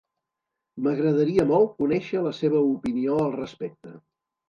M'agradaria molt conèixer la seva opinió al respecte.